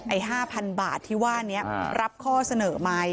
๕๐๐๐บาทที่ว่านี้รับข้อเสนอไหม